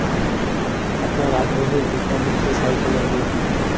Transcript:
আপনার আগ্রহের বিষয় হচ্ছে সাইকোলজি।